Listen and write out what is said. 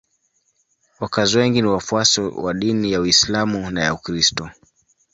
Wakazi wengi ni wafuasi wa dini ya Uislamu na ya Ukristo.